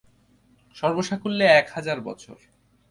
সর্বসাকুল্যে এক হাজার বছর।